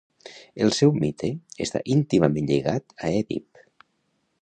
El seu mite està íntimament lligat a Èdip.